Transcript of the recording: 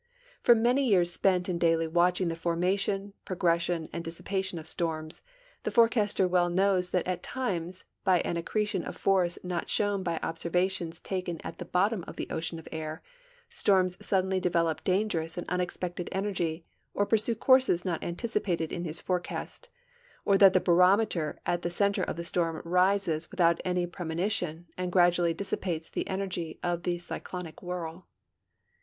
From many years spent in daily watching the formation, })ro gression, and dissii)ation of storms, the forecaster well knows that at times, by an accretion of force not shown by observations 72 STORMS AND WEATHER FORECASTS taken at the bottom of the ocean of air, storms suddenly de velop dangerous and unexpected energy or pursue courses not anticipated in his forecast, or that the barometer at the center of the storm rises without any premonition and gradually dis sipates the energy of the cyclonic whirl.